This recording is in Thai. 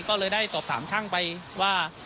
ก็เลยได้สอบถามช่างไปว่า